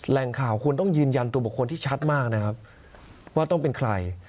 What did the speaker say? แหล่งข่าวคุณต้องยืนยันตัวบุคคลที่ชัดมากนะครับว่าต้องเป็นใคร